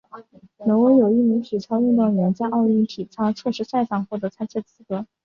挪威有一名体操运动员在奥运体操测试赛上获得参赛资格。